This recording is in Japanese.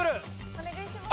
お願いします。